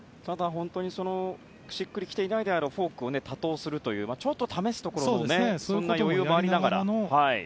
しっくりと来ていないであろうフォークを多投するという試すところそんな余裕もありながら。